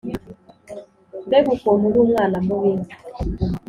Mbega ukuntu uri umwana mubi